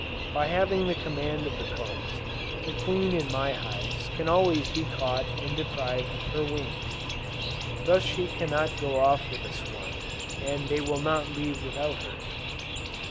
By having the command of the combs, the queen in my hives can always be caught and deprived of her wings; thus she cannot go off with a swarm, and they will not leave without her.